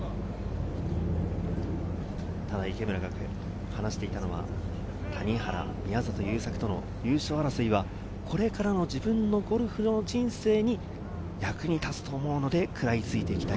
ただ池村が話していたのは、谷原、宮里優作との優勝争いは、これからの自分のゴルフの人生に役に立つと思うので、食らいついていきたい。